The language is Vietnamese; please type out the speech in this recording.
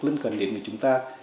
lân cần đến với chúng ta